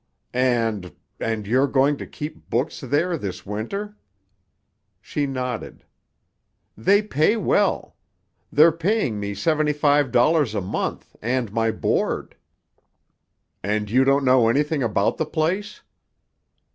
"And—and you're going to keep books there this Winter?" She nodded. "They pay well. They're paying me seventy five dollars a month and my board." "And you don't know anything about the place?"